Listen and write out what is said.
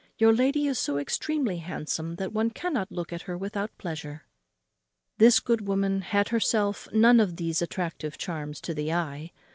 Your lady is so extremely handsome that one cannot look at her without pleasure." This good woman had herself none of these attractive charms to the eye.